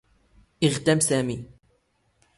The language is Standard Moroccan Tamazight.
ⵉⵖⵜⴰⵎ ⵙⴰⵎⵉ.